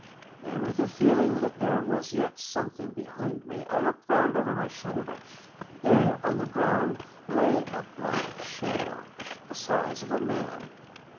Then with a feeling that there was yet something behind me, I looked round over my shoulder; and there, on the ground, lay a black shadow, the size of a man.